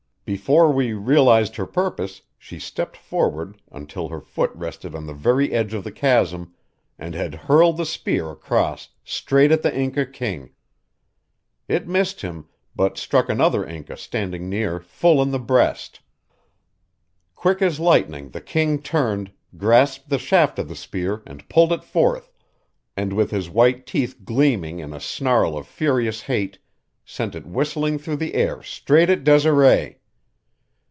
Before we realized her purpose, she stepped forward until her foot rested on the very edge of the chasm, and had hurled the spear across straight at the Inca king. It missed him, but struck another Inca standing near full in the breast. Quick as lightning the king turned, grasped the shaft of the spear, and pulled it forth, and with his white teeth gleaming in a snarl of furious hate, sent it whistling through the air straight at Desiree.